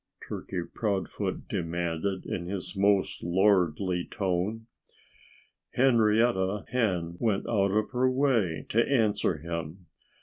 Turkey Proudfoot demanded in his most lordly tone. Henrietta Hen went out of her way to answer him.